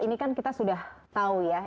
ini kan kita sudah tahu ya